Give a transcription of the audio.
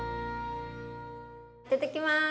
いただきます！